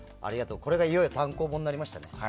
これがいよいよ単行本になりました。